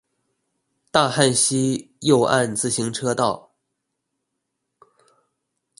大漢溪右岸自行車道